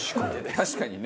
確かにね。